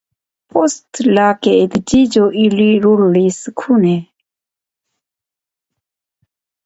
Post la geedziĝo ili rolis kune.